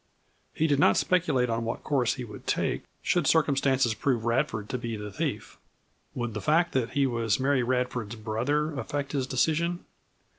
He did not speculate on what course he would take should circumstances prove Radford to be the thief. Would the fact that he was Mary Radford's brother affect his decision?